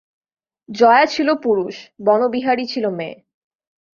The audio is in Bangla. জয়া ছিল পুরুষ, বনবিহারী ছিল মেয়ে।